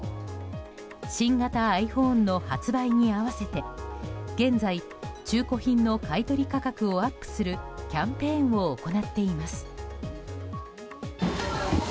新型ｉＰｈｏｎｅの発売に合わせて現在、中古品の買い取り価格をアップするキャンペーンを行っています。